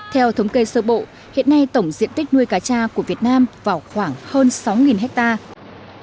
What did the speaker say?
theo thống kê sơ bộ hiện nay tổng diện tích nuôi cá cha của việt nam vào khoảng hơn sáu hectare